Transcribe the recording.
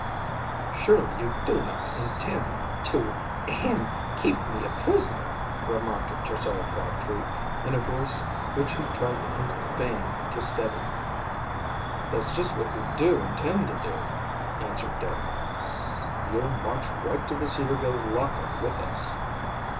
"Surely you do not intend to ahem keep me a prisoner," remarked Josiah Crabtree, in a voice which he tried in vain to steady. "That's just what we do intend to do," answered Dick. "You'll march right to the Cedarville lock up with us."